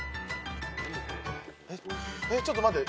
ちょっと待って。